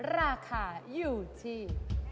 ราคาอยู่ที่